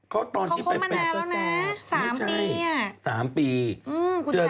เขาตอนที่ไปแฟสต์ก็แซมไม่ใช่สามปีคุณแชน